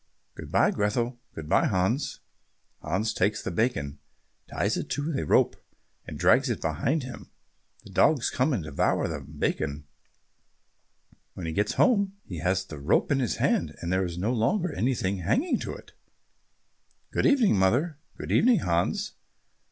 "Good bye, Grethel." "Good bye, Hans." Hans takes the bacon, ties it to a rope, and drags it away behind him. The dogs come and devour the bacon. When he gets home, he has the rope in his hand, and there is no longer anything hanging to it. "Good evening, mother." "Good evening, Hans."